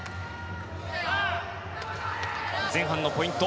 前半のポイント